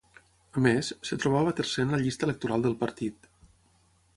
A més, es trobava tercer en la llista electoral del partit.